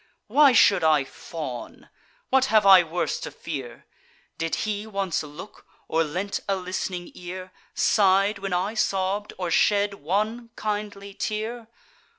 Why should I fawn? what have I worse to fear? Did he once look, or lent a list'ning ear, Sigh'd when I sobb'd, or shed one kindly tear?